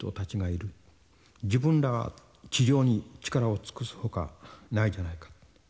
自分らは治療に力を尽くすほかないじゃないか」。